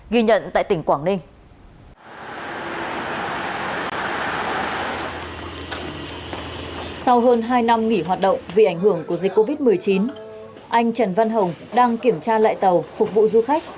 sau hơn hai năm nghỉ hoạt động vì ảnh hưởng của dịch covid một mươi chín anh trần văn hồng đang kiểm tra lại tàu phục vụ du khách